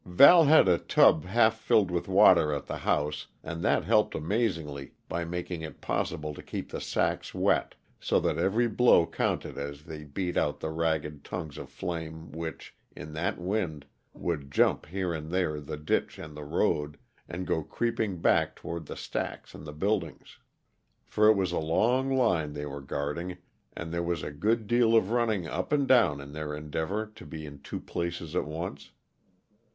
Val had a tub half filled with water at the house, and that helped amazingly by making it possible to keep the sacks wet, so that every blow counted as they beat out the ragged tongues of flame which, in that wind, would jump here and there the ditch and the road, and go creeping back toward the stacks and the buildings. For it was a long line they were guarding, and there was a good deal of running up and down in their endeavor to be in two places at once.